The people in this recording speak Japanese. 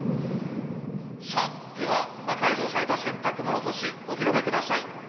さあでは魔改造された洗濯物干しお披露目ください。